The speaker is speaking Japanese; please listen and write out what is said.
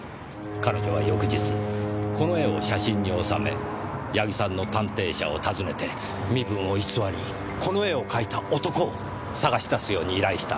彼女は翌日この絵を写真に収め矢木さんの探偵社を訪ねて身分を偽りこの絵を描いた男を捜し出すように依頼した。